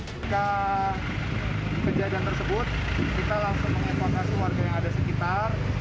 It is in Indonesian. jika kejadian tersebut kita langsung mengevakuasi warga yang ada sekitar